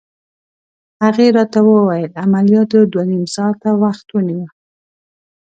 هغې راته وویل: عملياتو دوه نيم ساعته وخت ونیو.